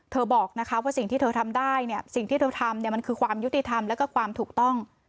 บอกนะคะว่าสิ่งที่เธอทำได้เนี่ยสิ่งที่เธอทำเนี่ยมันคือความยุติธรรมแล้วก็ความถูกต้อง